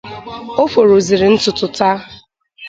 O forozịrị ntutu taa